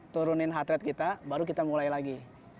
turunin heart rate kita baru kita mulai lagi